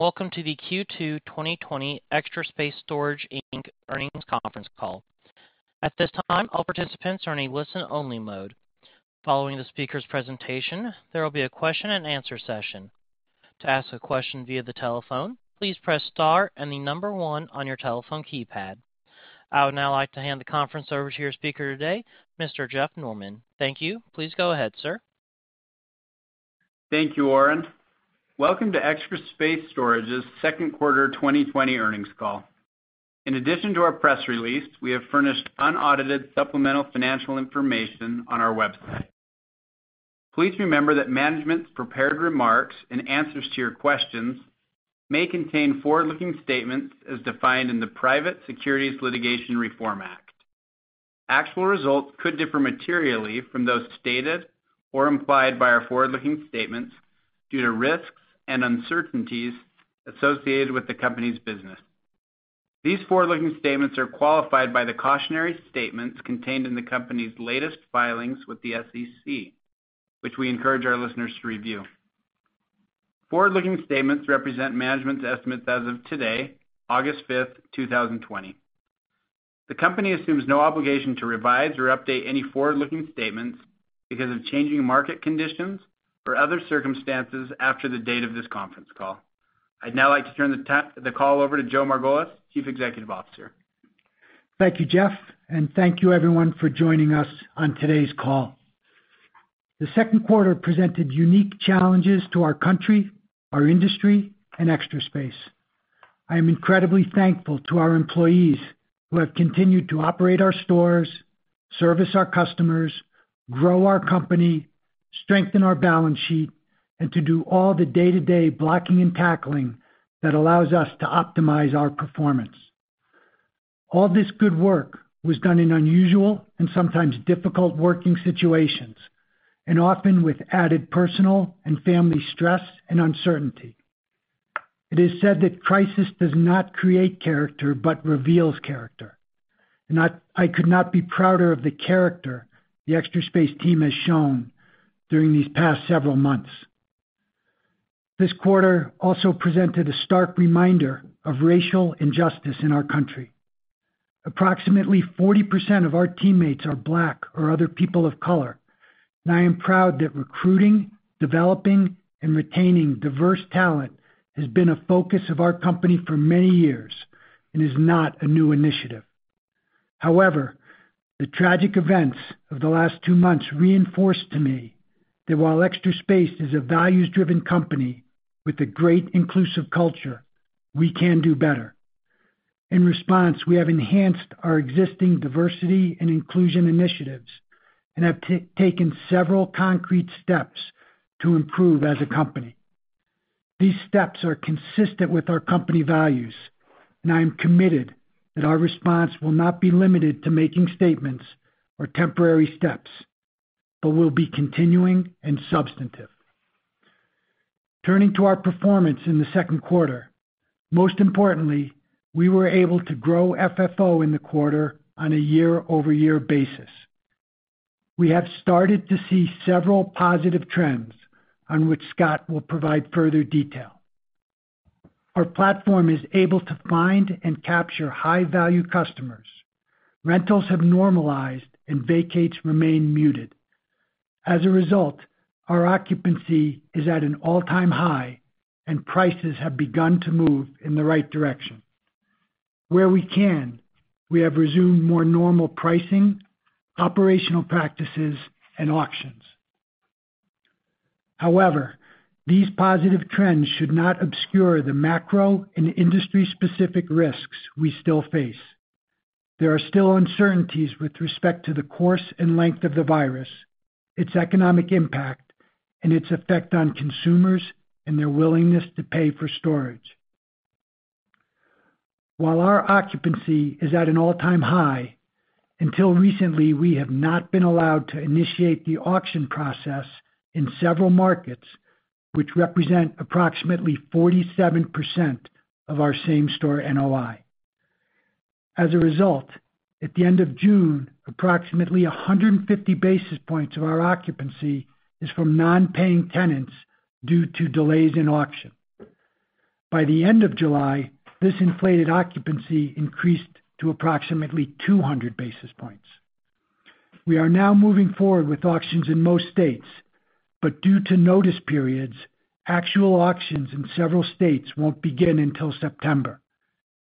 Welcome to the Q2 2020 Extra Space Storage Inc. Earnings Conference Call. At this time, all participants are in a listen-only mode. Following the speaker's presentation, there will be a question and answer session. To ask a question via the telephone, please press star and the number one on your telephone keypad. I would now like to hand the conference over to your speaker today, Mr. Jeff Norman. Thank you. Please go ahead, sir. Thank you, Oren. Welcome to Extra Space Storage's second quarter 2020 earnings call. In addition to our press release, we have furnished unaudited supplemental financial information on our website. Please remember that management's prepared remarks and answers to your questions may contain forward-looking statements as defined in the Private Securities Litigation Reform Act. Actual results could differ materially from those stated or implied by our forward-looking statements due to risks and uncertainties associated with the company's business. These forward-looking statements are qualified by the cautionary statements contained in the company's latest filings with the SEC, which we encourage our listeners to review. Forward-looking statements represent management's estimates as of today, August fifth, 2020. The company assumes no obligation to revise or update any forward-looking statements because of changing market conditions or other circumstances after the date of this conference call. I'd now like to turn the call over to Joe Margolis, Chief Executive Officer. Thank you, Jeff, and thank you everyone for joining us on today's call. The second quarter presented unique challenges to our country, our industry, and Extra Space. I am incredibly thankful to our employees who have continued to operate our stores, service our customers, grow our company, strengthen our balance sheet, and to do all the day-to-day blocking and tackling that allows us to optimize our performance. All this good work was done in unusual and sometimes difficult working situations, and often with added personal and family stress and uncertainty. It is said that crisis does not create character but reveals character. I could not be prouder of the character the Extra Space team has shown during these past several months. This quarter also presented a stark reminder of racial injustice in our country. Approximately 40% of our teammates are Black or other people of color, and I am proud that recruiting, developing, and retaining diverse talent has been a focus of our company for many years and is not a new initiative. However, the tragic events of the last two months reinforced to me that while Extra Space Storage is a values-driven company with a great inclusive culture, we can do better. In response, we have enhanced our existing diversity and inclusion initiatives and have taken several concrete steps to improve as a company. These steps are consistent with our company values, and I am committed that our response will not be limited to making statements or temporary steps, but will be continuing and substantive. Turning to our performance in the second quarter, most importantly, we were able to grow FFO in the quarter on a year-over-year basis. We have started to see several positive trends on which Scott will provide further detail. Our platform is able to find and capture high-value customers. Rentals have normalized and vacates remain muted. As a result, our occupancy is at an all-time high, and prices have begun to move in the right direction. Where we can, we have resumed more normal pricing, operational practices, and auctions. However, these positive trends should not obscure the macro and industry-specific risks we still face. There are still uncertainties with respect to the course and length of the virus, its economic impact, and its effect on consumers and their willingness to pay for storage. While our occupancy is at an all-time high, until recently, we have not been allowed to initiate the auction process in several markets, which represent approximately 47% of our same-store NOI. As a result, at the end of June, approximately 150 basis points of our occupancy is from non-paying tenants due to delays in auction. By the end of July, this inflated occupancy increased to approximately 200 basis points. We are now moving forward with auctions in most states, but due to notice periods, actual auctions in several states won't begin until September,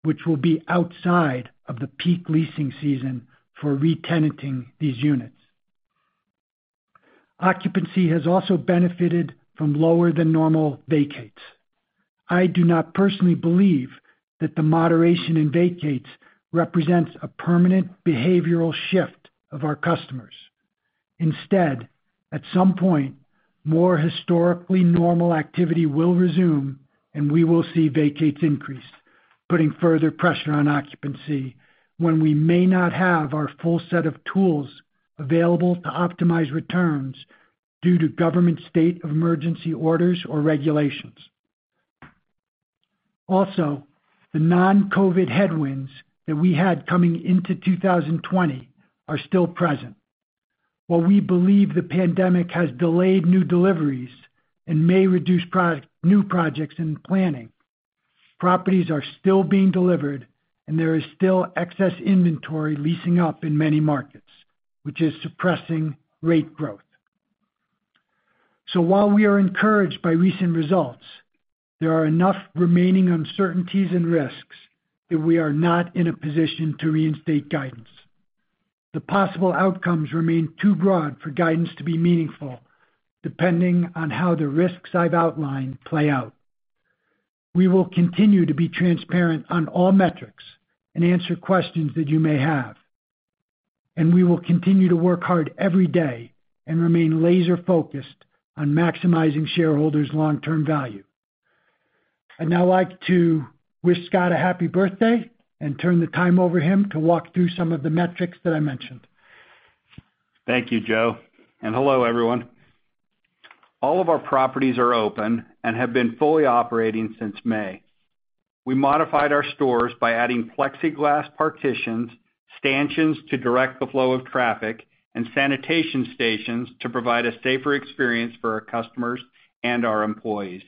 which will be outside of the peak leasing season for re-tenanting these units. Occupancy has also benefited from lower than normal vacates. I do not personally believe that the moderation in vacates represents a permanent behavioral shift of our customers. Instead, at some point, more historically normal activity will resume, and we will see vacates increase, putting further pressure on occupancy, when we may not have our full set of tools available to optimize returns due to government state of emergency orders or regulations. Also, the non-COVID headwinds that we had coming into 2020 are still present. While we believe the pandemic has delayed new deliveries and may reduce new projects in planning, properties are still being delivered, and there is still excess inventory leasing up in many markets, which is suppressing rate growth. While we are encouraged by recent results, there are enough remaining uncertainties and risks that we are not in a position to reinstate guidance. The possible outcomes remain too broad for guidance to be meaningful, depending on how the risks I've outlined play out. We will continue to be transparent on all metrics and answer questions that you may have, and we will continue to work hard every day and remain laser-focused on maximizing shareholders' long-term value. I'd now like to wish Scott a happy birthday and turn the time over to him to walk through some of the metrics that I mentioned. Thank you, Joe, and hello, everyone. All of our properties are open and have been fully operating since May. We modified our stores by adding plexiglass partitions, stanchions to direct the flow of traffic, and sanitation stations to provide a safer experience for our customers and our employees.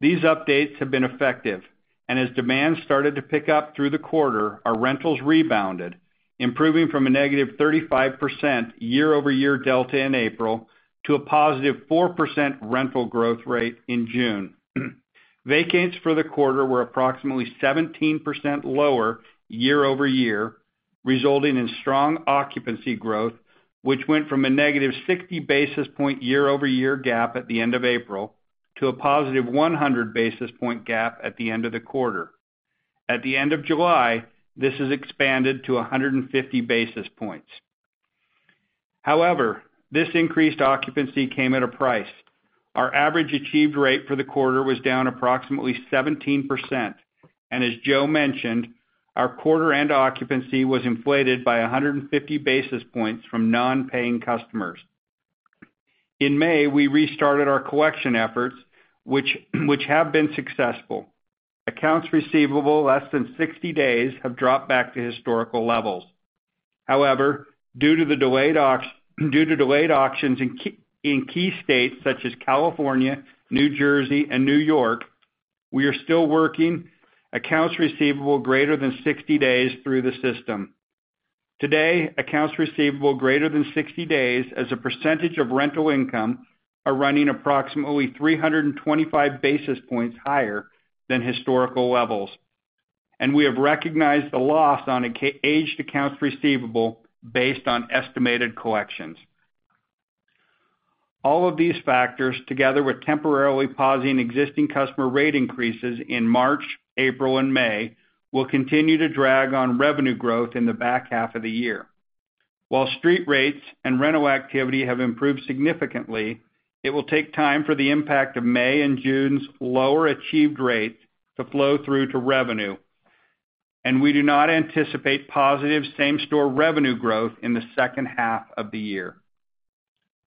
These updates have been effective. As demand started to pick up through the quarter, our rentals rebounded, improving from a -35% year-over-year delta in April to a +4% rental growth rate in June. Vacates for the quarter were approximately 17% lower year-over-year, resulting in strong occupancy growth, which went from a -60 basis points year-over-year gap at the end of April to a +100 basis points gap at the end of the quarter. At the end of July, this has expanded to 150 basis points. However, this increased occupancy came at a price. Our average achieved rate for the quarter was down approximately 17%. As Joe mentioned, our quarter-end occupancy was inflated by 150 basis points from non-paying customers. In May, we restarted our collection efforts, which have been successful. Accounts Receivable less than 60 days have dropped back to historical levels. Due to delayed auctions in key states such as California, New Jersey, and New York, we are still working Accounts Receivable greater than 60 days through the system. Today, Accounts Receivable greater than 60 days as a percentage of rental income are running approximately 325 basis points higher than historical levels. We have recognized the loss on aged Accounts Receivable based on estimated collections. All of these factors, together with temporarily pausing existing customer rate increases in March, April, and May, will continue to drag on revenue growth in the back half of the year. While street rates and rental activity have improved significantly, it will take time for the impact of May and June's lower achieved rates to flow through to revenue, and we do not anticipate positive same-store revenue growth in the second half of the year.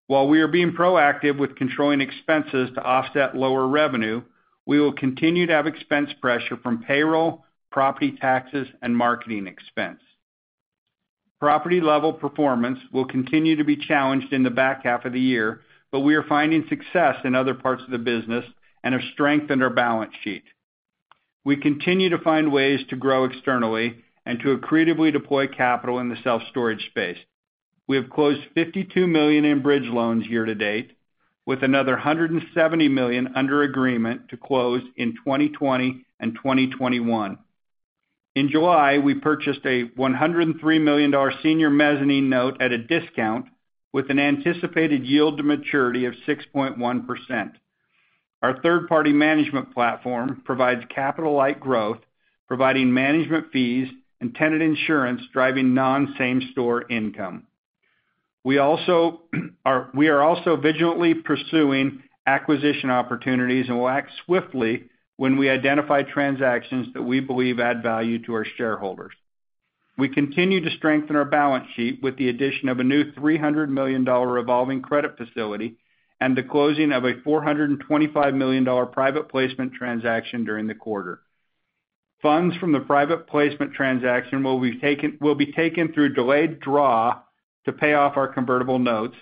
While we are being proactive with controlling expenses to offset lower revenue, we will continue to have expense pressure from payroll, property taxes, and marketing expense. Property-level performance will continue to be challenged in the back half of the year, but we are finding success in other parts of the business and have strengthened our balance sheet. We continue to find ways to grow externally and to accretively deploy capital in the self-storage space. We have closed $52 million in bridge loans year-to-date, with another $170 million under agreement to close in 2020 and 2021. In July, we purchased a $103 million senior mezzanine note at a discount with an anticipated yield to maturity of 6.1%. Our third-party management platform provides capital-light growth, providing management fees and tenant insurance driving non-same-store income. We are also vigilantly pursuing acquisition opportunities and will act swiftly when we identify transactions that we believe add value to our shareholders. We continue to strengthen our balance sheet with the addition of a new $300 million revolving credit facility and the closing of a $425 million private placement transaction during the quarter. Funds from the private placement transaction will be taken through delayed draw to pay off our convertible notes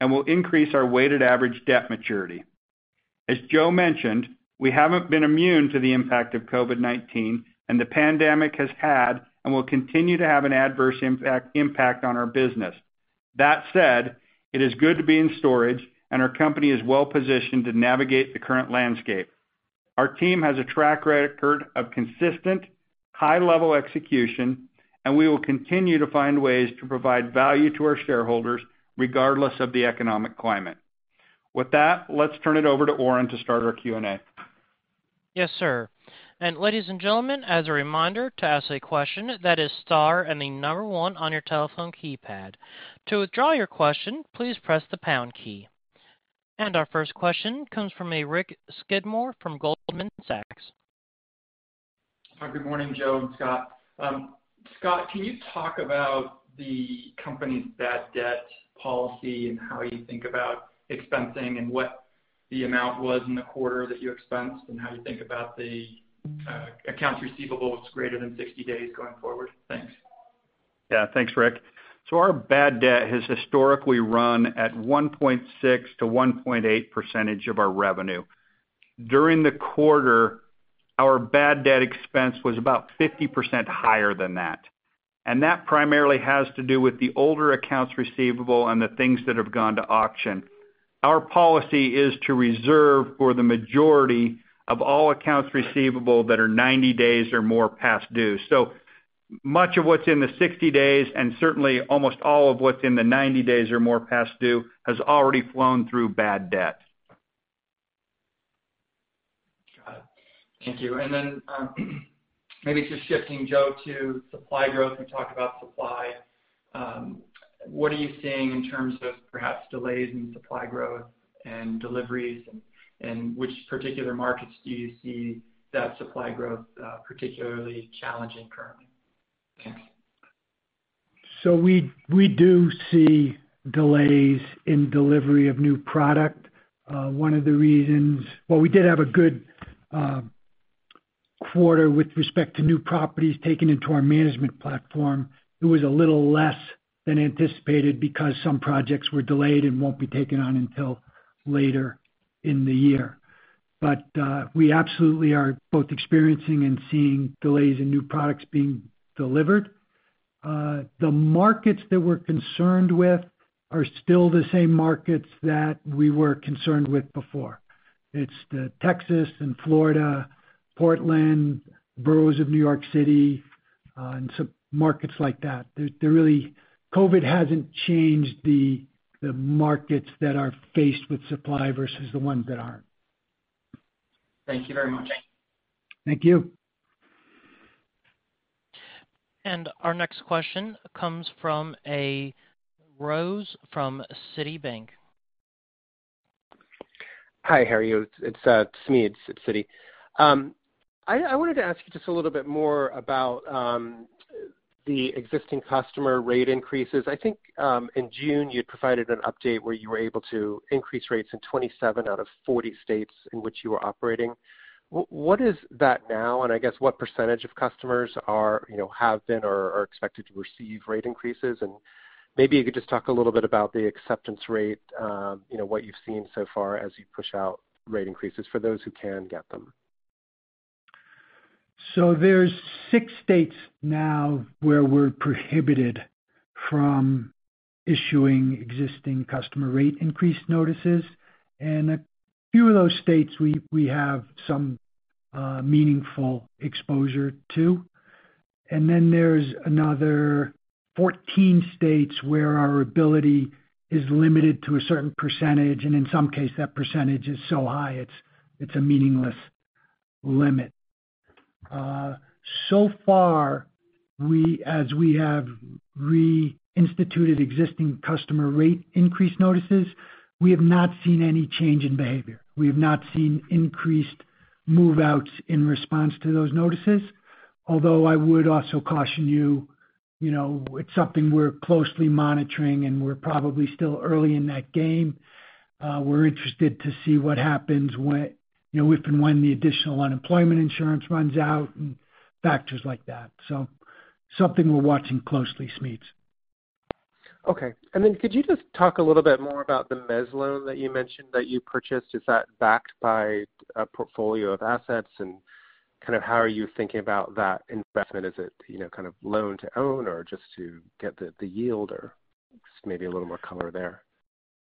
and will increase our weighted average debt maturity. As Joe mentioned, we haven't been immune to the impact of COVID-19, and the pandemic has had and will continue to have an adverse impact on our business. That said, it is good to be in storage. Our company is well-positioned to navigate the current landscape. Our team has a track record of consistent, high-level execution. We will continue to find ways to provide value to our shareholders regardless of the economic climate. With that, let's turn it over to Oren to start our Q&A. Yes, sir. Ladies and gentlemen, as a reminder, to ask a question, that is star and the number 1 on your telephone keypad. To withdraw your question, please press the pound key. Our first question comes from Rick Skidmore from Goldman Sachs. Hi, good morning, Joe and Scott. Scott, can you talk about the company's bad debt policy and how you think about expensing and what the amount was in the quarter that you expensed and how you think about the Accounts Receivable greater than 60 days going forward? Thanks. Yeah. Thanks, Rick. Our bad debt has historically run at 1.6%-1.8% of our revenue. During the quarter, our bad debt expense was about 50% higher than that, and that primarily has to do with the older Accounts Receivable and the things that have gone to auction. Our policy is to reserve for the majority of all Accounts Receivable that are 90 days or more past due. Much of what's in the 60 days, and certainly almost all of what's in the 90 days or more past due, has already flown through bad debt. Got it. Thank you. Maybe just shifting, Joe, to supply growth. We talked about supply. What are you seeing in terms of perhaps delays in supply growth and deliveries, and which particular markets do you see that supply growth particularly challenging currently? Thanks. We do see delays in delivery of new product. Well, we did have a good quarter with respect to new properties taken into our management platform. It was a little less than anticipated because some projects were delayed and won't be taken on until later in the year. We absolutely are both experiencing and seeing delays in new products being delivered. The markets that we're concerned with are still the same markets that we were concerned with before. It's the Texas and Florida, Portland, boroughs of New York City, and some markets like that. COVID hasn't changed the markets that are faced with supply versus the ones that aren't. Thank you very much. Thank you. Our next question comes from a Rose from Citibank. Hi, how are you? It's Smedes at Citi. I wanted to ask you just a little bit more about the existing customer rate increases. I think, in June you had provided an update where you were able to increase rates in 27 out of 40 states in which you are operating. What is that now? I guess what percntage of customers have been or are expected to receive rate increases? Maybe you could just talk a little bit about the acceptance rate, what you've seen so far as you push out rate increases for those who can get them. There's six states now where we're prohibited from issuing existing customer rate increase notices. A few of those states we have some meaningful exposure to. There's another 14 states where our ability is limited to a certain percentage, and in some case, that percentage is so high, it's a meaningless limit. So far, as we have reinstituted existing customer rate increase notices, we have not seen any change in behavior. We have not seen increased move-outs in response to those notices. Although I would also caution you, it's something we're closely monitoring, and we're probably still early in that game. We're interested to see what happens with and when the additional unemployment insurance runs out and factors like that. Something we're watching closely, Smedes. Okay. Could you just talk a little bit more about the mezz loan that you mentioned that you purchased? Is that backed by a portfolio of assets, and kind of how are you thinking about that investment? Is it kind of loan to own or just to get the yield or just maybe a little more color there?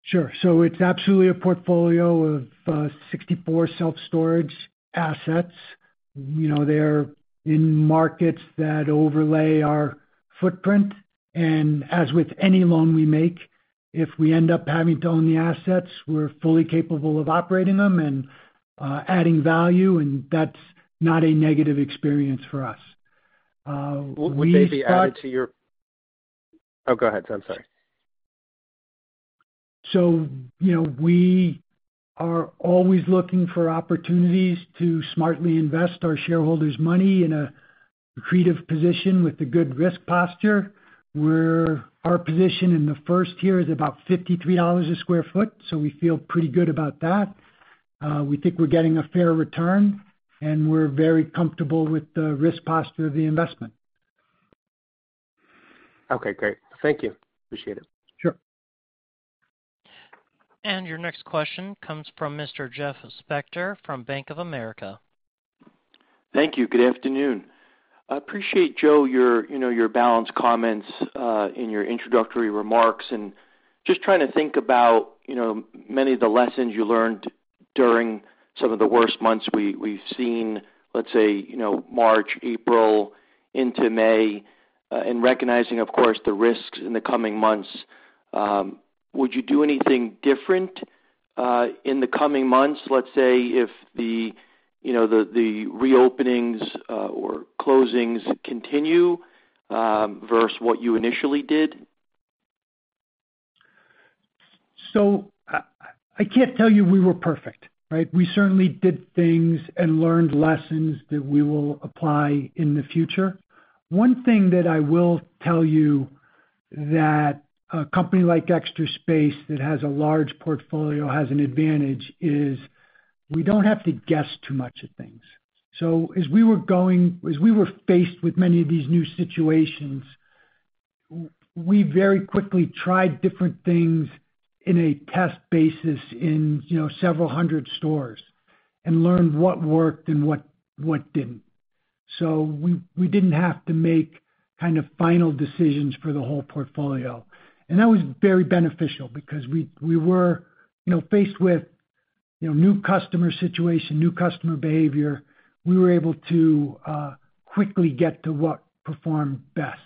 Sure. It's absolutely a portfolio of 64 self-storage assets. They are in markets that overlay our footprint. As with any loan we make, if we end up having to own the assets, we're fully capable of operating them and adding value, and that's not a negative experience for us. Would they be added to your. Oh, go ahead. I'm sorry. We are always looking for opportunities to smartly invest our shareholders' money in an accretive position with a good risk posture, where our position in the first tier is about $53 a square foot, so we feel pretty good about that. We think we're getting a fair return, and we're very comfortable with the risk posture of the investment. Okay, great. Thank you. Appreciate it. Sure. Your next question comes from Mr. Jeff Spector from Bank of America. Thank you. Good afternoon. I appreciate, Joe, your balanced comments in your introductory remarks, and just trying to think about many of the lessons you learned during some of the worst months we've seen, let's say, March, April into May, and recognizing, of course, the risks in the coming months. Would you do anything different in the coming months, let's say, if the reopenings or closings continue, versus what you initially did? I can't tell you we were perfect, right? We certainly did things and learned lessons that we will apply in the future. One thing that I will tell you that a company like Extra Space that has a large portfolio has an advantage is we don't have to guess too much at things. As we were faced with many of these new situations, we very quickly tried different things in a test basis in several hundred stores and learned what worked and what didn't. We didn't have to make final decisions for the whole portfolio. That was very beneficial because we were faced with new customer situation, new customer behavior. We were able to quickly get to what performed best.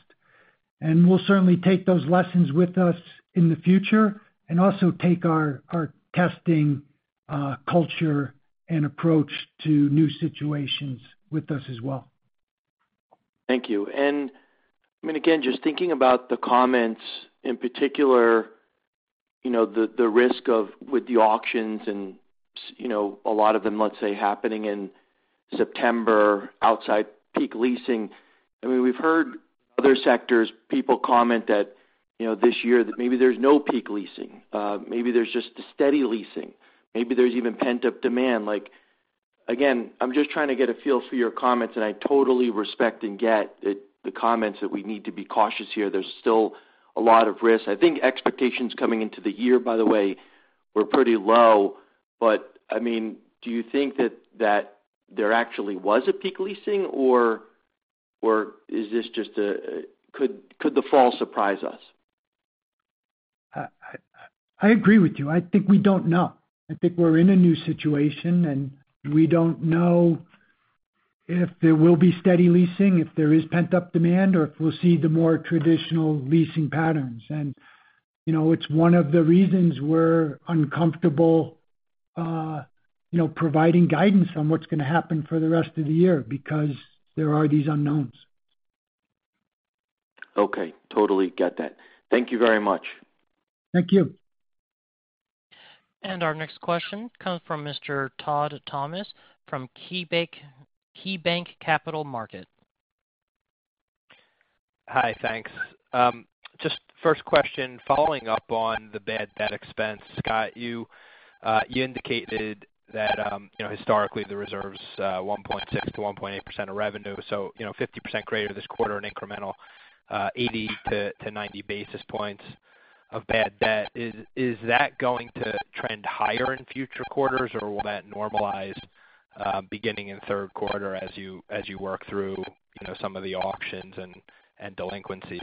We'll certainly take those lessons with us in the future and also take our testing culture and approach to new situations with us as well. Thank you. Again, just thinking about the comments in particular, the risk of with the auctions and a lot of them, let's say, happening in September outside peak leasing. We've heard other sectors, people comment that this year that maybe there's no peak leasing. Maybe there's just a steady leasing. Maybe there's even pent-up demand. Again, I'm just trying to get a feel for your comments, I totally respect and get the comments that we need to be cautious here. There's still a lot of risk. I think expectations coming into the year, by the way, were pretty low. Do you think that there actually was a peak leasing, or could the fall surprise us? I agree with you. I think we don't know. I think we're in a new situation, and we don't know if there will be steady leasing, if there is pent-up demand, or if we'll see the more traditional leasing patterns. It's one of the reasons we're uncomfortable providing guidance on what's going to happen for the rest of the year because there are these unknowns. Okay. Totally get that. Thank you very much. Thank you. Our next question comes from Mr. Todd Thomas from KeyBanc Capital Markets. Hi, thanks. Just first question following up on the bad debt expense. Scott, you indicated that historically the reserve's 1.6%-1.8% of revenue, so 50% greater this quarter and incremental 80-90 basis points of bad debt. Is that going to trend higher in future quarters, or will that normalize beginning in the third quarter as you work through some of the auctions and delinquencies?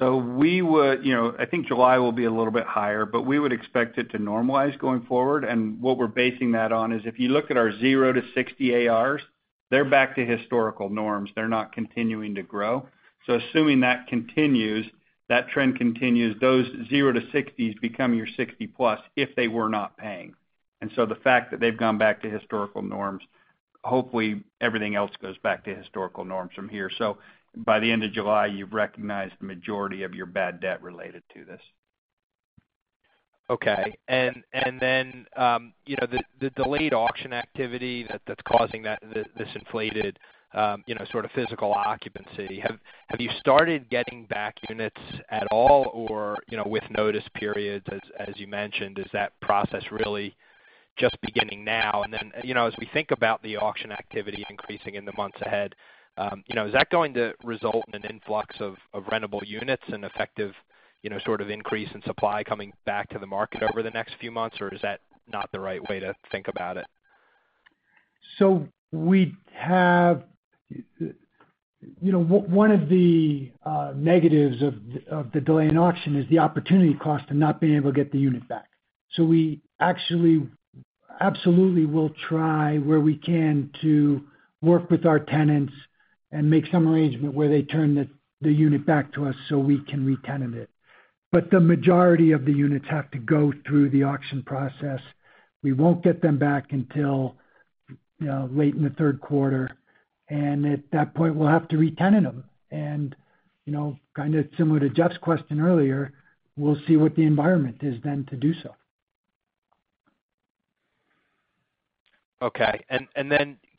I think July will be a little bit higher, but we would expect it to normalize going forward. What we're basing that on is if you look at our 0-60 ARs, they're back to historical norms. They're not continuing to grow. Assuming that trend continues, those 0-60s become your 60+ if they were not paying. The fact that they've gone back to historical norms, hopefully everything else goes back to historical norms from here. By the end of July, you've recognized the majority of your bad debt related to this. Okay. The delayed auction activity that's causing this inflated sort of physical occupancy. Have you started getting back units at all, or with notice periods as you mentioned, is that process really just beginning now? As we think about the auction activity increasing in the months ahead, is that going to result in an influx of rentable units and effective sort of increase in supply coming back to the market over the next few months, or is that not the right way to think about it? One of the negatives of the delay in auction is the opportunity cost of not being able to get the unit back. We absolutely will try where we can to work with our tenants and make some arrangement where they turn the unit back to us so we can re-tenant it. The majority of the units have to go through the auction process. We won't get them back until late in the third quarter, and at that point, we'll have to re-tenant them. Kind of similar to Jeff's question earlier, we'll see what the environment is then to do so. Okay.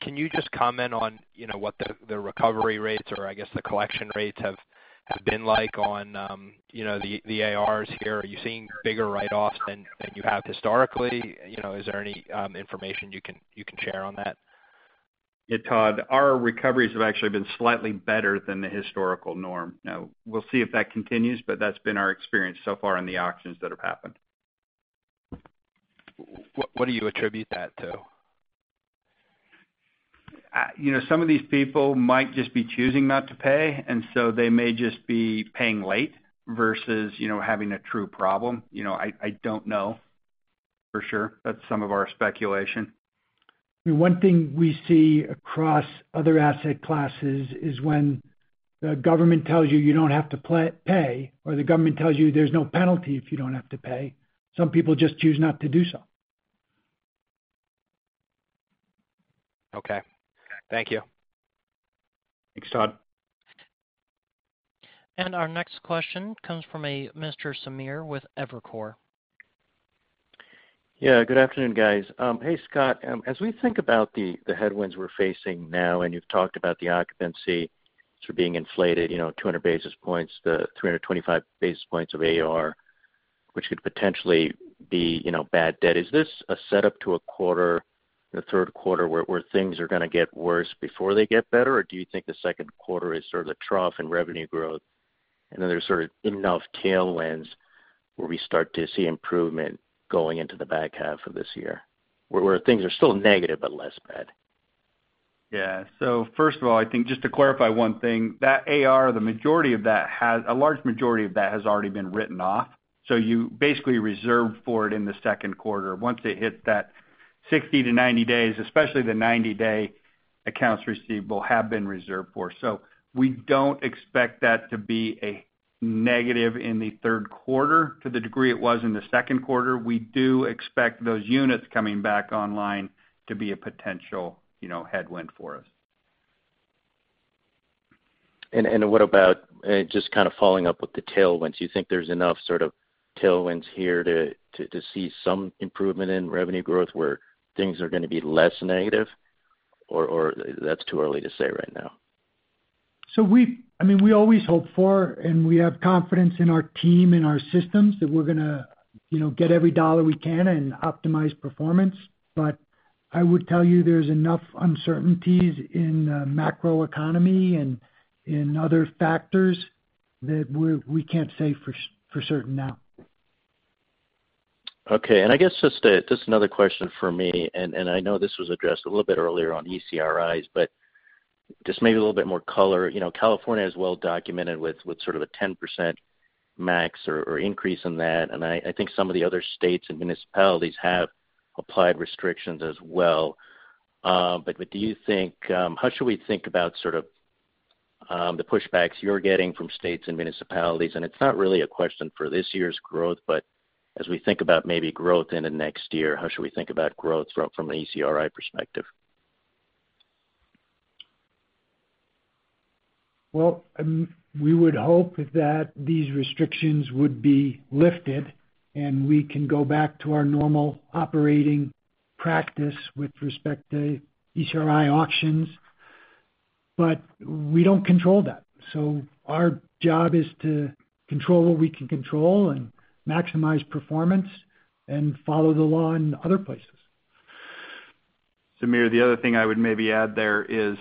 Can you just comment on what the recovery rates or I guess the collection rates have been like on the ARs here? Are you seeing bigger write-offs than you have historically? Is there any information you can share on that? Todd, our recoveries have actually been slightly better than the historical norm. We'll see if that continues, but that's been our experience so far in the auctions that have happened. What do you attribute that to? Some of these people might just be choosing not to pay, and so they may just be paying late versus having a true problem. I don't know for sure. That's some of our speculation. One thing we see across other asset classes is when the government tells you you don't have to pay or the government tells you there's no penalty if you don't have to pay, some people just choose not to do so. Okay. Thank you. Thanks, Todd. Our next question comes from a Mr. Samir with Evercore. Yeah. Good afternoon, guys. Hey, Scott. As we think about the headwinds we're facing now, and you've talked about the occupancy sort of being inflated, 200 basis points, the 325 basis points of AR, which could potentially be bad debt. Is this a setup to a quarter, the third quarter, where things are going to get worse before they get better? Do you think the second quarter is sort of the trough in revenue growth, and then there's sort of enough tailwinds where we start to see improvement going into the back half of this year, where things are still negative but less bad? First of all, I think just to clarify one thing, that AR, a large majority of that has already been written off. You basically reserve for it in the second quarter. Once it hits that 60-90 days, especially the 90-day Accounts Receivable have been reserved for. We don't expect that to be a negative in the third quarter to the degree it was in the second quarter. We do expect those units coming back online to be a potential headwind for us. What about, just kind of following up with the tailwinds, you think there's enough sort of tailwinds here to see some improvement in revenue growth where things are going to be less negative? That's too early to say right now? We always hope for, and we have confidence in our team and our systems that we're going to get every dollar we can and optimize performance. I would tell you there's enough uncertainties in the macro economy and in other factors that we can't say for certain now. Okay. I guess just another question from me, and I know this was addressed a little bit earlier on ECRIs, but just maybe a little bit more color. California is well documented with sort of a 10% max or increase in that, and I think some of the other states and municipalities have applied restrictions as well. How should we think about sort of the pushbacks you're getting from states and municipalities? It's not really a question for this year's growth, but as we think about maybe growth into next year, how should we think about growth from an ECRI perspective? Well, we would hope that these restrictions would be lifted, and we can go back to our normal operating practice with respect to ECRI auctions. We don't control that. Our job is to control what we can control and maximize performance and follow the law in other places. Samir, the other thing I would maybe add there is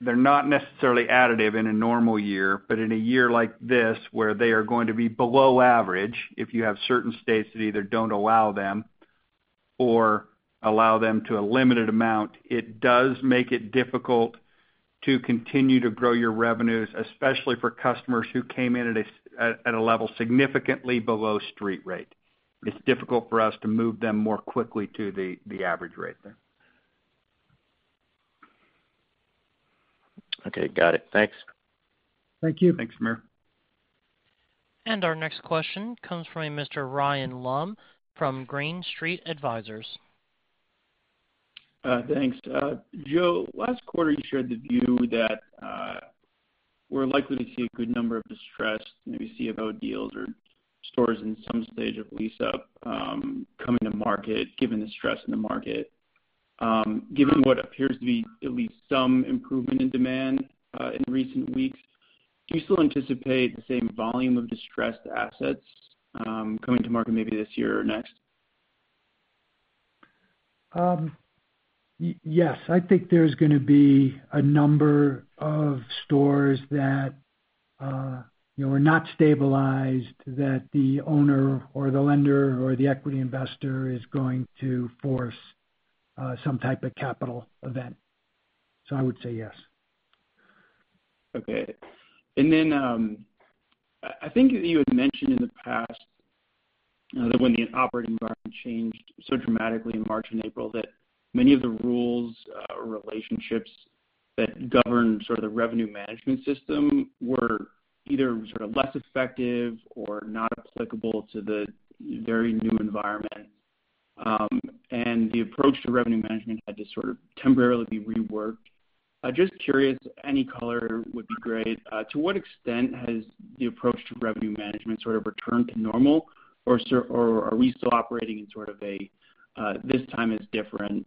they're not necessarily additive in a normal year, but in a year like this, where they are going to be below average, if you have certain states that either don't allow them or allow them to a limited amount, it does make it difficult to continue to grow your revenues, especially for customers who came in at a level significantly below street rate. It's difficult for us to move them more quickly to the average rate there. Okay, got it. Thanks. Thank you. Thanks, Samir. Our next question comes from Mr. Ryan Lumb from Green Street Advisors. Thanks. Joe, last quarter you shared the view that we're likely to see a good number of distressed, maybe C of O deals or stores in some stage of lease-up coming to market, given the stress in the market. Given what appears to be at least some improvement in demand in recent weeks, do you still anticipate the same volume of distressed assets coming to market maybe this year or next? Yes. I think there's going to be a number of stores that were not stabilized that the owner or the lender or the equity investor is going to force some type of capital event. I would say yes. Okay. I think you had mentioned in the past that when the operating environment changed so dramatically in March and April, that many of the rules or relationships that govern sort of the revenue management system were either sort of less effective or not applicable to the very new environment. The approach to revenue management had to sort of temporarily be reworked. Just curious, any color would be great. To what extent has the approach to revenue management sort of returned to normal? Are we still operating in sort of a this time is different,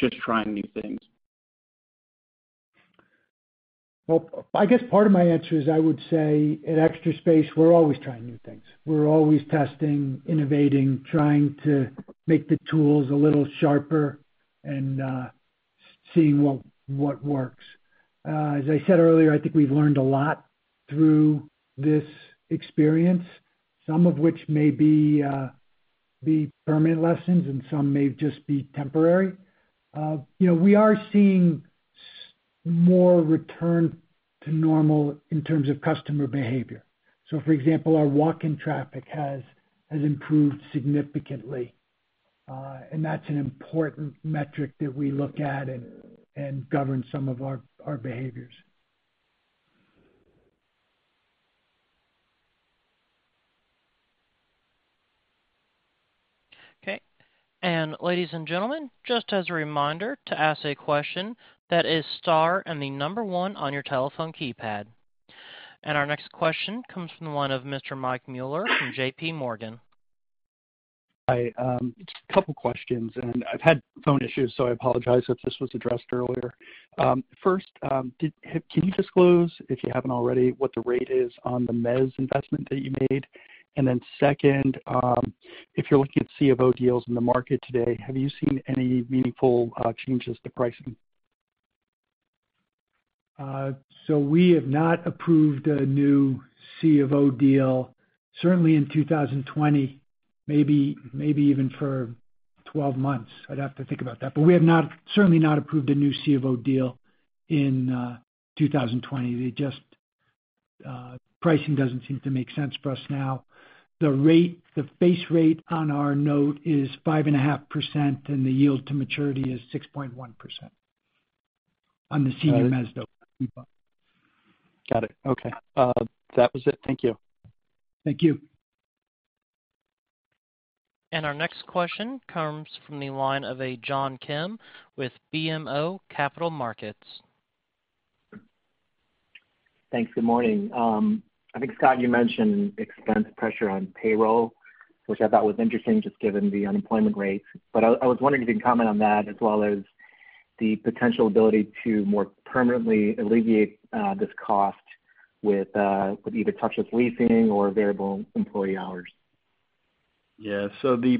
just trying new things? Well, I guess part of my answer is I would say at Extra Space, we're always trying new things. We're always testing, innovating, trying to make the tools a little sharper and seeing what works. As I said earlier, I think we've learned a lot through this experience, some of which may be permanent lessons and some may just be temporary. We are seeing more return to normal in terms of customer behavior. For example, our walk-in traffic has improved significantly. That's an important metric that we look at and govern some of our behaviors. Okay. Ladies and gentlemen. Our next question comes from the one of Mr. Michael Mueller from JPMorgan. Hi. Just a couple questions, and I've had phone issues, so I apologize if this was addressed earlier. First, can you disclose, if you haven't already, what the rate is on the mezz investment that you made? Second, if you're looking at C of O deals in the market today, have you seen any meaningful changes to pricing? We have not approved a new C of O deal, certainly in 2020, maybe even for 12 months. I'd have to think about that. We have certainly not approved a new C of O deal in 2020. The pricing doesn't seem to make sense for us now. The base rate on our note is 5.5%, and the yield to maturity is 6.1% on the senior mezz debt that we bought. Got it. Okay. That was it. Thank you. Thank you. Our next question comes from the line of John Kim with BMO Capital Markets. Thanks. Good morning. I think, Scott, you mentioned expense pressure on payroll, which I thought was interesting, just given the unemployment rates. I was wondering if you can comment on that, as well as the potential ability to more permanently alleviate this cost with either touchless leasing or variable employee hours? Yeah. The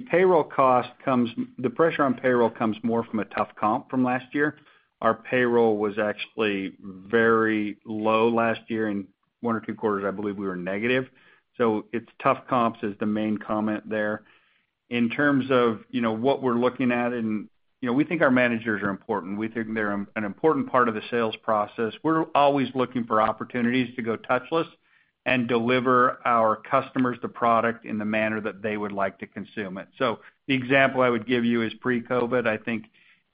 pressure on payroll comes more from a tough comp from last year. Our payroll was actually very low last year. In one or two quarters, I believe we were negative. It's tough comps is the main comment there. In terms of what we're looking at, and we think our managers are important. We think they're an important part of the sales process. We're always looking for opportunities to go touchless and deliver our customers the product in the manner that they would like to consume it. The example I would give you is pre-COVID, I think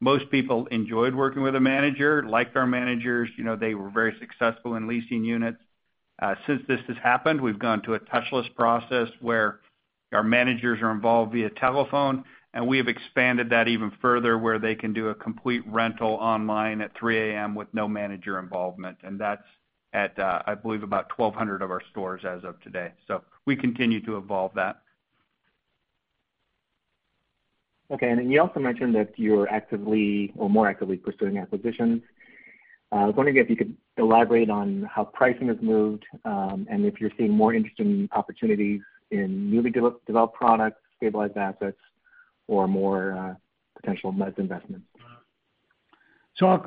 most people enjoyed working with a manager, liked our managers. They were very successful in leasing units. Since this has happened, we've gone to a touchless process where our managers are involved via telephone, and we have expanded that even further where they can do a complete rental online at 3:00 A.M. with no manager involvement. That's at, I believe, about 1,200 of our stores as of today. We continue to evolve that. Okay. You also mentioned that you're more actively pursuing acquisitions. I was wondering if you could elaborate on how pricing has moved, and if you're seeing more interesting opportunities in newly developed products, stabilized assets, or more potential mezz investment investments.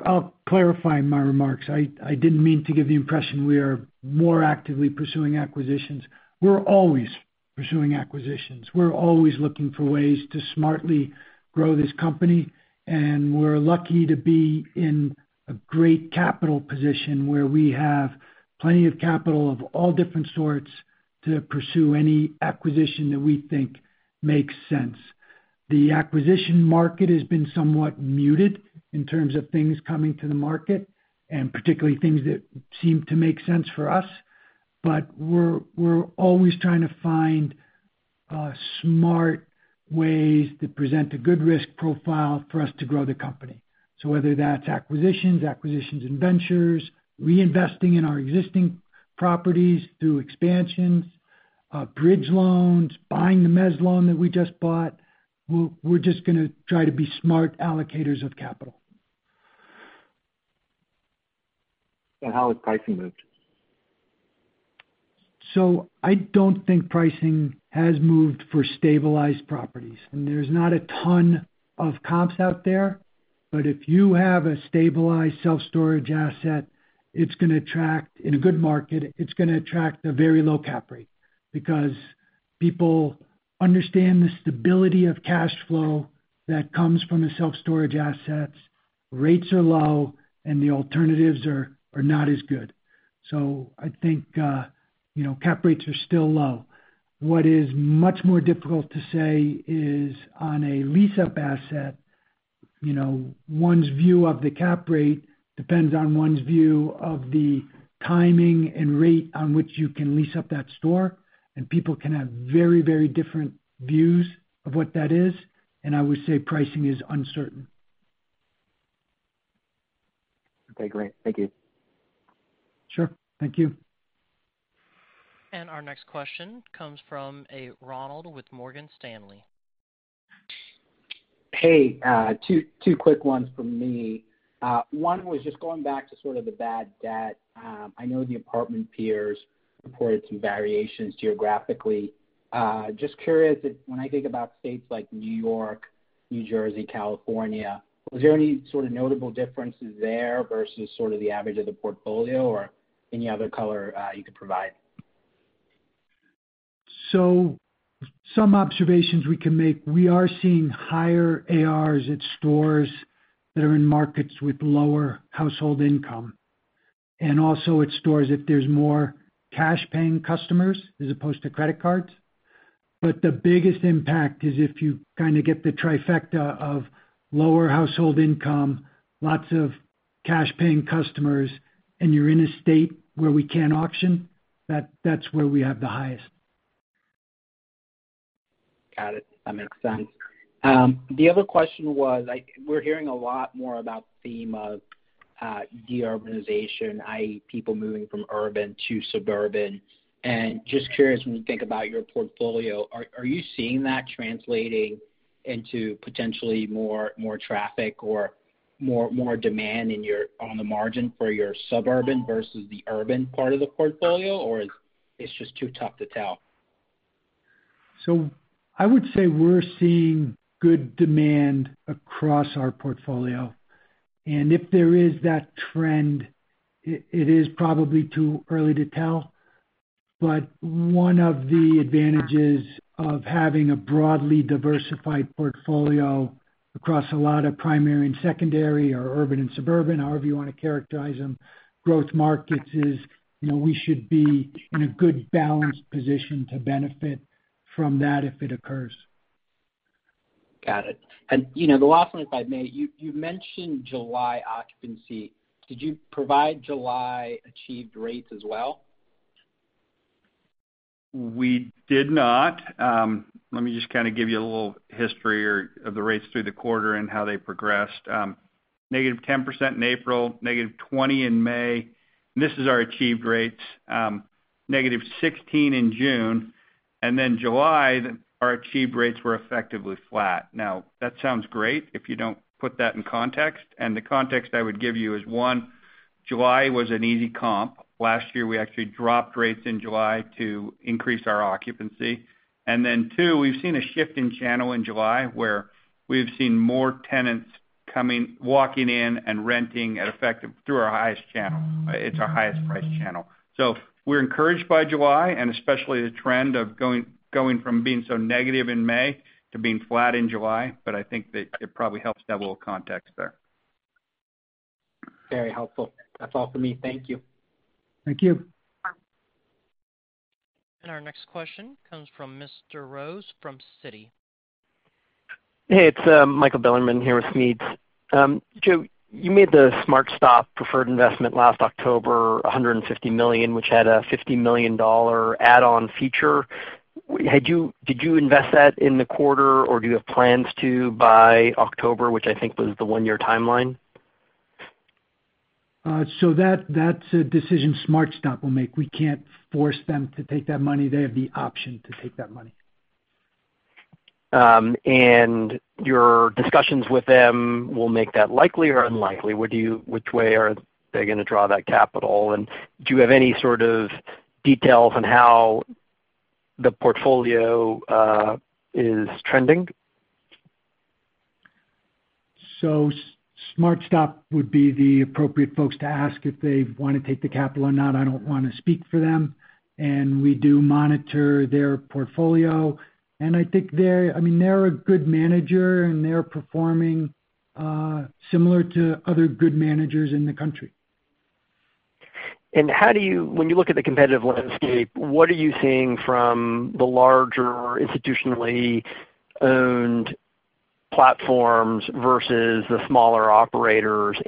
I'll clarify my remarks. I didn't mean to give the impression we are more actively pursuing acquisitions. We're always pursuing acquisitions. We're always looking for ways to smartly grow this company, and we're lucky to be in a great capital position where we have plenty of capital of all different sorts to pursue any acquisition that we think makes sense. The acquisition market has been somewhat muted in terms of things coming to the market, and particularly things that seem to make sense for us. We're always trying to find smart ways that present a good risk profile for us to grow the company. Whether that's acquisitions and ventures, reinvesting in our existing properties through expansions, bridge loans, buying the mezz loan that we just bought, we're just gonna try to be smart allocators of capital. How has pricing moved? I don't think pricing has moved for stabilized properties, and there's not a ton of comps out there. If you have a stabilized self-storage asset, in a good market, it's gonna attract a very low cap rate because people understand the stability of cash flow that comes from the self-storage assets. Rates are low, and the alternatives are not as good. I think cap rates are still low. What is much more difficult to say is on a lease-up asset, one's view of the cap rate depends on one's view of the timing and rate on which you can lease up that store, and people can have very different views of what that is, and I would say pricing is uncertain. Okay, great. Thank you. Sure. Thank you. Our next question comes from Ronald with Morgan Stanley. Hey. Two quick ones from me. One was just going back to sort of the bad debt. I know the apartment peers reported some variations geographically. Just curious if, when I think about states like New York, New Jersey, California, was there any sort of notable differences there versus sort of the average of the portfolio or any other color you could provide? Some observations we can make. We are seeing higher ARs at stores that are in markets with lower household income, and also at stores if there's more cash-paying customers as opposed to credit cards. The biggest impact is if you kind of get the trifecta of lower household income, lots of cash-paying customers, and you're in a state where we can't auction, that's where we have the highest. Got it. That makes sense. The other question was, we're hearing a lot more about theme of de-urbanization, i.e., people moving from urban to suburban. Just curious, when you think about your portfolio, are you seeing that translating into potentially more traffic or more demand on the margin for your suburban versus the urban part of the portfolio, or it's just too tough to tell? I would say we're seeing good demand across our portfolio, and if there is that trend, it is probably too early to tell. One of the advantages of having a broadly diversified portfolio across a lot of primary and secondary or urban and suburban, however you want to characterize them, growth markets is, we should be in a good balanced position to benefit from that if it occurs. Got it. The last one, if I may. You mentioned July occupancy. Did you provide July achieved rates as well? We did not. Let me just kind of give you a little history or of the rates through the quarter and how they progressed. -10% in April, -20% in May. This is our achieved rates. -16% in June. July, our achieved rates were effectively flat. Now, that sounds great if you don't put that in context, and the context I would give you is, one, July was an easy comp. Last year, we actually dropped rates in July to increase our occupancy. Two, we've seen a shift in channel in July, where we've seen more tenants walking in and renting at effective through our highest channel. It's our highest price channel. We're encouraged by July, and especially the trend of going from being so negative in May to being flat in July. I think that it probably helps to have a little context there. Very helpful. That's all for me. Thank you. Thank you. Our next question comes from Mr. Rose from Citi. Hey, it's Michael Bilerman here with Smedes Rose. Joe, you made the SmartStop preferred investment last October, $150 million, which had a $50 million add-on feature. Did you invest that in the quarter, or do you have plans to by October, which I think was the one-year timeline? That's a decision SmartStop will make. We can't force them to take that money. They have the option to take that money. Your discussions with them will make that likely or unlikely. Which way are they going to draw that capital? Do you have any sort of details on how the portfolio is trending? SmartStop would be the appropriate folks to ask if they want to take the capital or not. I don't want to speak for them. We do monitor their portfolio. I think they're a good manager, and they're performing similar to other good managers in the country. When you look at the competitive landscape, what are you seeing from the larger institutionally-owned platforms versus the smaller operators?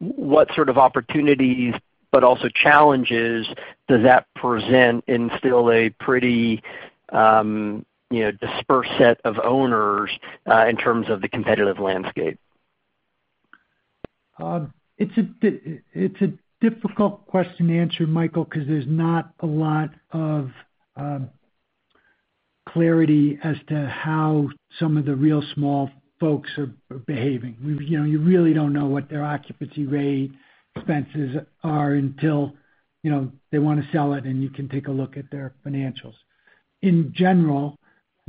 What sort of opportunities, but also challenges, does that present in still a pretty dispersed set of owners, in terms of the competitive landscape? It's a difficult question to answer, Michael, because there's not a lot of clarity as to how some of the real small folks are behaving. You really don't know what their occupancy rate expenses are until they want to sell it and you can take a look at their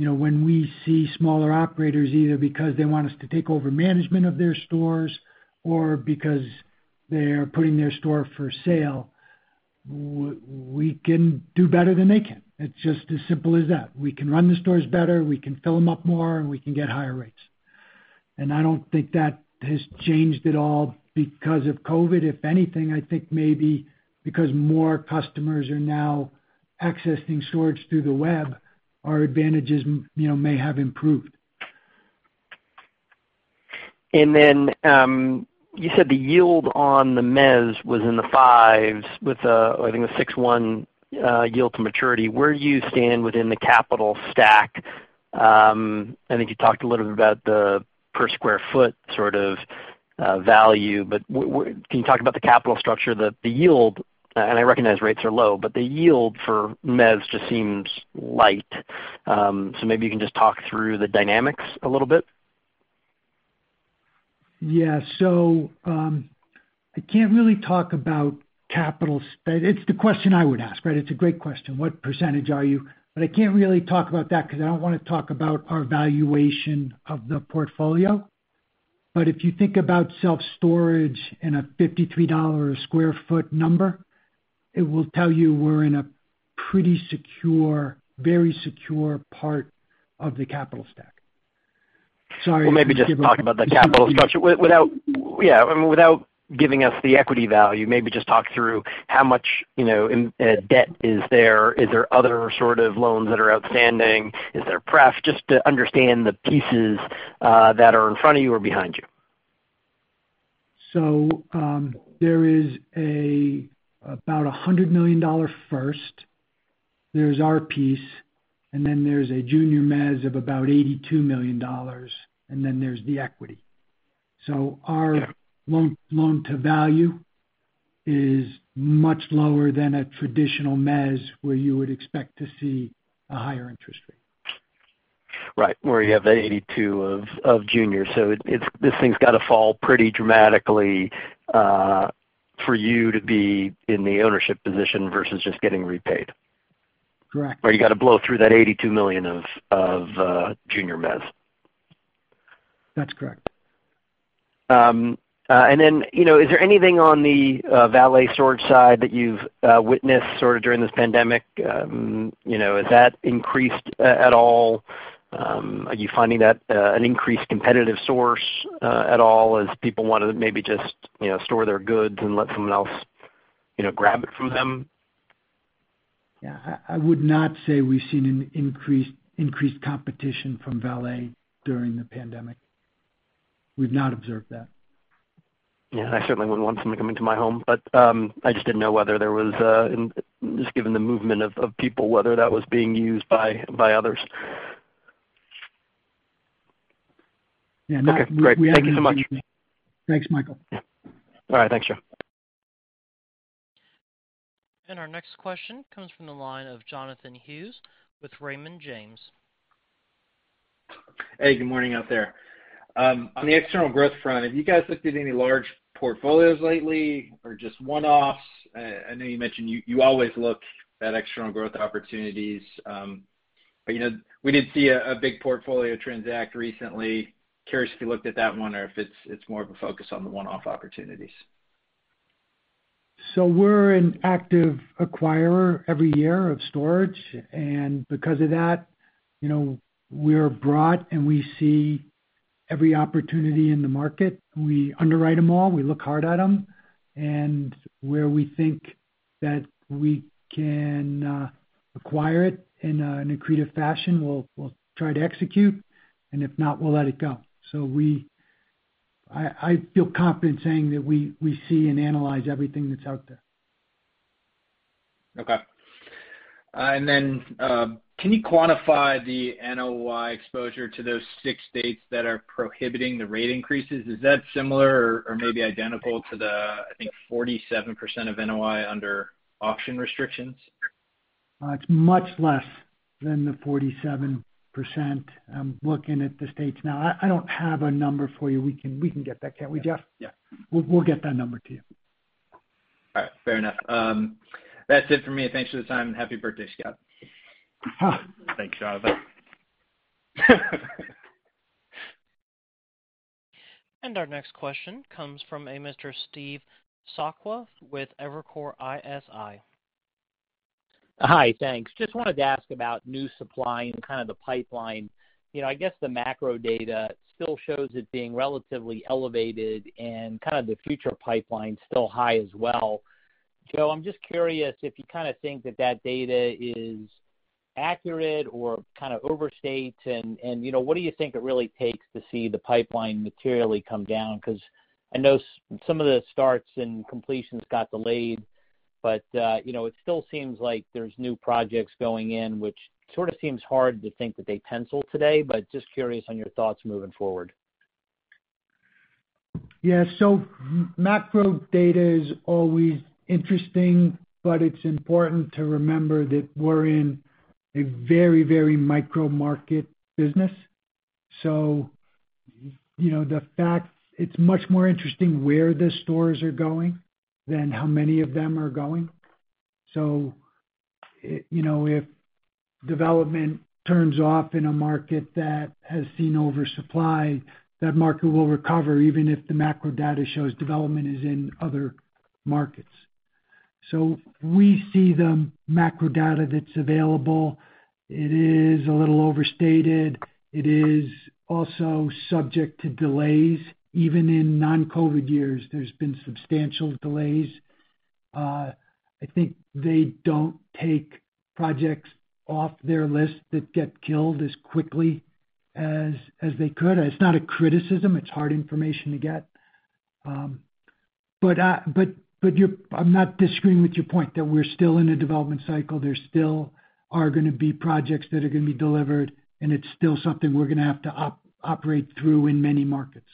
financials. In general, when we see smaller operators, either because they want us to take over management of their stores or because they're putting their store for sale, we can do better than they can. It's just as simple as that. We can run the stores better, we can fill them up more, and we can get higher rates. I don't think that has changed at all because of COVID. If anything, I think maybe because more customers are now accessing storage through the web, our advantages may have improved. Then, you said the yield on the mezz was in the fives with a, I think, a 6.1% yield to maturity. Where do you stand within the capital stack? I think you talked a little bit about the per square foot sort of value, but can you talk about the capital structure? The yield, and I recognize rates are low, but the yield for mezz just seems light. Maybe you can just talk through the dynamics a little bit. I can't really talk about capital. It's the question I would ask, right? It's a great question. What percentage are you? I can't really talk about that because I don't want to talk about our valuation of the portfolio. If you think about self-storage in a $53 a square foot number, it will tell you we're in a pretty secure, very secure part of the capital stack. Well, maybe just talk about the capital structure. Yeah. Without giving us the equity value, maybe just talk through how much debt is there. Is there other sort of loans that are outstanding? Is there pref? Just to understand the pieces that are in front of you or behind you. There is about $100 million first, there's our piece, and then there's a junior mezz of about $82 million, and then there's the equity. Yeah. Our loan-to-value is much lower than a traditional mezz where you would expect to see a higher interest rate. Where you have $82 million of junior. This thing's got to fall pretty dramatically for you to be in the ownership position versus just getting repaid. Correct. Where you got to blow through that $82 million of junior mezz. That's correct. Is there anything on the valet storage side that you've witnessed sort of during this pandemic? Has that increased at all? Are you finding that an increased competitive source at all as people want to maybe just store their goods and let someone else grab it from them? Yeah. I would not say we've seen an increased competition from valet during the pandemic. We've not observed that. Yeah. I certainly wouldn't want someone coming to my home. I just didn't know whether there was, just given the movement of people, whether that was being used by others. Yeah. No, we haven't seen anything. Okay, great. Thank you so much. Thanks, Michael. Yeah. All right. Thanks, Joe. Our next question comes from the line of Jonathan Hughes with Raymond James. Hey, good morning out there. On the external growth front, have you guys looked at any large portfolios lately or just one-offs? I know you mentioned you always look at external growth opportunities. We did see a big portfolio transact recently. Curious if you looked at that one or if it's more of a focus on the one-off opportunities. We're an active acquirer every year of storage, and because of that, we are broad and we see every opportunity in the market. We underwrite them all. We look hard at them, and where we think that we can acquire it in an accretive fashion, we'll try to execute, and if not, we'll let it go. I feel confident saying that we see and analyze everything that's out there. Okay. Can you quantify the NOI exposure to those six states that are prohibiting the rate increases? Is that similar or maybe identical to the, I think, 47% of NOI under auction restrictions? It's much less than the 47%. I'm looking at the states now. I don't have a number for you. We can get that, can't we, Jeff? Yeah. We'll get that number to you. All right. Fair enough. That's it for me. Thanks for the time, and happy birthday, Scott. Thanks, Jonathan. Our next question comes from a Mr. Steve Sakwa with Evercore ISI. Hi. Thanks. Just wanted to ask about new supply and kind of the pipeline. I guess the macro data still shows it being relatively elevated and kind of the future pipeline still high as well. Joe, I'm just curious if you kind of think that that data is accurate or kind of overstates, and what do you think it really takes to see the pipeline materially come down? I know some of the starts and completions got delayed, but it still seems like there's new projects going in which sort of seems hard to think that they pencil today. Just curious on your thoughts moving forward. Yeah. Macro data is always interesting, but it's important to remember that we're in a very, very micro market business. The fact it's much more interesting where the stores are going than how many of them are going. If development turns off in a market that has seen oversupply, that market will recover even if the macro data shows development is in other markets. We see the macro data that's available. It is a little overstated. It is also subject to delays. Even in non-COVID years, there's been substantial delays. I think they don't take projects off their list that get killed as quickly as they could. It's not a criticism, it's hard information to get. I'm not disagreeing with your point that we're still in a development cycle. There still are going to be projects that are going to be delivered, and it's still something we're going to have to operate through in many markets.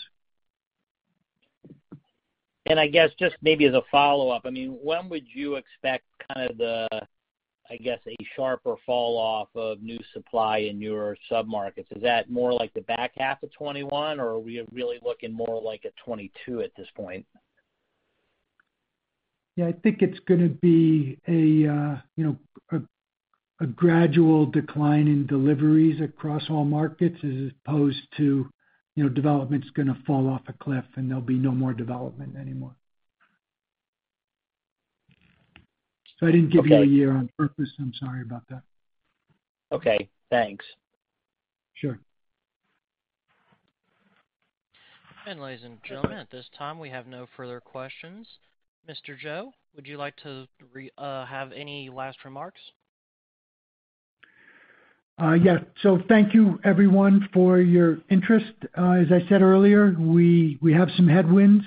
I guess, just maybe as a follow-up, when would you expect kind of the, I guess, a sharper fall off of new supply in newer sub-markets? Is that more like the back half of 2021, or are we really looking more like at 2022 at this point? Yeah. I think it's going to be a gradual decline in deliveries across all markets as opposed to development's going to fall off a cliff and there'll be no more development anymore. I didn't give you a year on purpose. I'm sorry about that. Okay. Thanks. Sure. Ladies and gentlemen, at this time, we have no further questions. Mr. Joe, would you like to have any last remarks? Yeah. Thank you everyone for your interest. As I said earlier, we have some headwinds.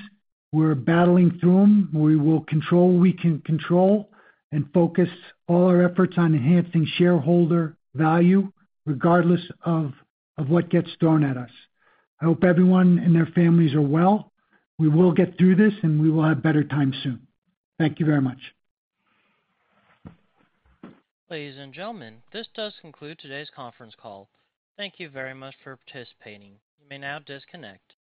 We're battling through them. We will control what we can control and focus all our efforts on enhancing shareholder value regardless of what gets thrown at us. I hope everyone and their families are well. We will get through this, and we will have better times soon. Thank you very much. Ladies and gentlemen, this does conclude today's conference call. Thank you very much for participating. You may now disconnect.